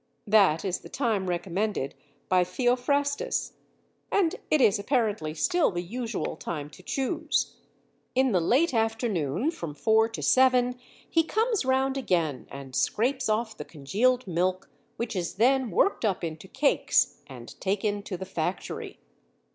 That is the time recommended by Theophrastus, and it is apparently still the usual time to choose. In the late afternoon, from four to seven, he comes round again and scrapes off the congealed milk, which is then worked up into cakes and taken to the factory.